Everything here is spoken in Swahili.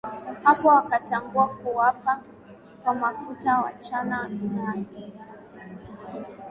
Hapo akatambua wapakwa mafuta, wachana nao.